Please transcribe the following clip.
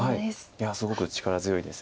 いやすごく力強いです。